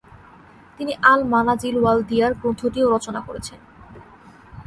তিনি আল-মানাজিল ওয়াল-দিয়ার গ্রন্থটিও রচনা করেছেন।